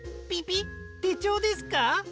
ピピッてちょうですか？